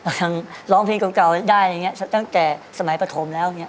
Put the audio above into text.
ออกจังร้องเพลงเก่าได้ตั้งแต่สมัยประถมแล้วนี้